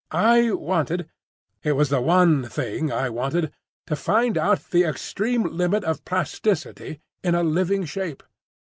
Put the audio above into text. I wanted—it was the one thing I wanted—to find out the extreme limit of plasticity in a living shape."